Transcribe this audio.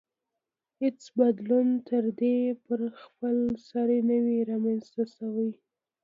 هېڅ بدلون ترې په خپلسر نه وي رامنځته شوی.